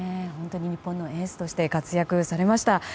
本当に日本のエースとして活躍されました。